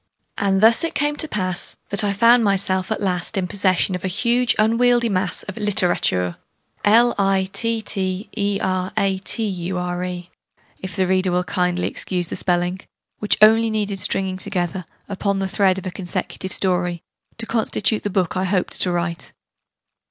And thus it came to pass that I found myself at last in possession of a huge unwieldy mass of litterature if the reader will kindly excuse the spelling which only needed stringing together, upon the thread of a consecutive story, to constitute the book I hoped to write.